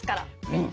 うん！